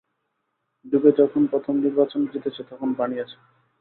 ডুবে যখন প্রথম নির্বাচন জিতেছে তখন বানিয়েছে।